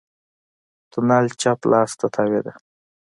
تونل چپ لاس ته تاوېده.